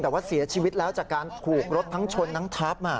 แต่ว่าเสียชีวิตแล้วจากการถูกรถทั้งชนทั้งทับ